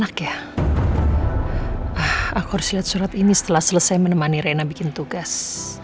aku harus lihat surat ini setelah selesai menemani rena bikin tugas